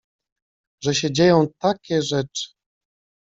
że się dzieją takie rzeczy.